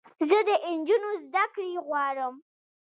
زه د انجونوو زدکړې غواړم